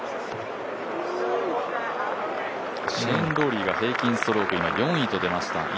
シェーン・ローリーは平均ストローク、４位となりました。